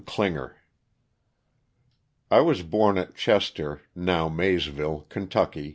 CLINGER. T WAS born at Chester, now Maysville, Ky.